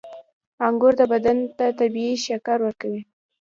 • انګور بدن ته طبیعي شکر ورکوي.